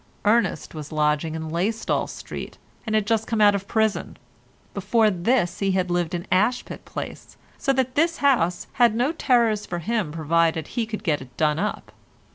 Ernest was lodging in Laystall Street and had just come out of prison; before this he had lived in Ashpit Place so that this house had no terrors for him provided he could get it done up.